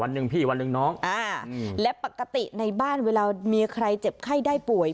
หนึ่งพี่วันหนึ่งน้องอ่าและปกติในบ้านเวลามีใครเจ็บไข้ได้ป่วย